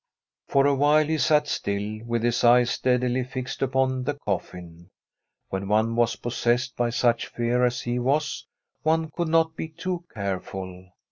For a while he sat still, with his eyes steadily fixed upon the coffin. When one was pos sessed by such fear as he was, one could not be too careful.